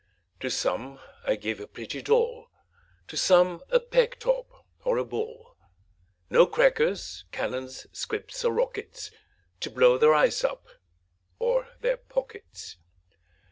To some I gave a pretty doll, To some a peg top, or a ball; No crackers, cannons, squibs, or rockets, To blow their eyes up, or their pockets.